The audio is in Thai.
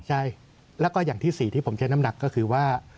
ใช่แล้วก็อย่างที่๔ที่ผมใช้น้ำหนักก็คือว่า